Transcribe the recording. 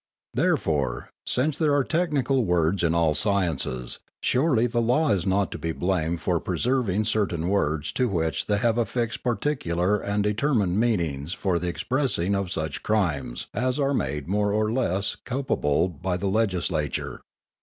Therefore, since there are technical words in all sciences, surely the Law is not to be blamed for preserving certain words to which they have affixed particular and determined meanings for the expressing of such crimes as are made more or less culpable by the Legislature.